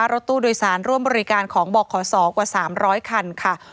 รถตู้โดยสารร่วมบริการของบขศกว่า๓๐๐คันค่ะ